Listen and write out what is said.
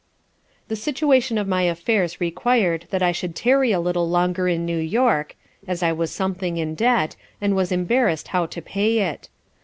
The situation of my affairs requir'd that I should tarry a little longer in New York, as I was something in debt, and was embarrass'd how to pay it.